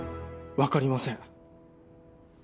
分かりません